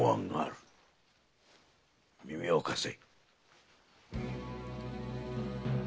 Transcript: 耳をかせ。